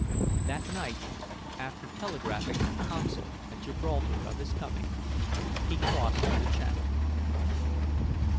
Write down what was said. That night, after telegraphing the consul at Gibraltar of his coming, he crossed the channel.